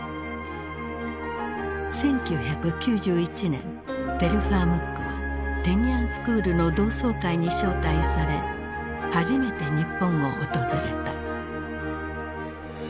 １９９１年テルファー・ムックはテニアンスクールの同窓会に招待され初めて日本を訪れた。